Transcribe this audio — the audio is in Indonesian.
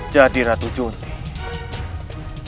jadi ratu junti